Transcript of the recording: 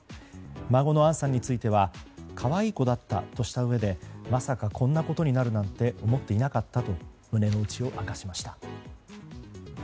孫の杏さんについては可愛い子だったとしたうえでまさか、こんなことになるなんて思っていなかったと胸の内を明かしました。